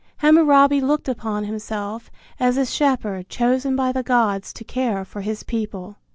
Hammurabi looked upon himself as a shepherd chosen by the gods to care for his people.